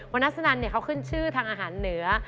นัสนันเขาขึ้นชื่อทางอาหารเหนือ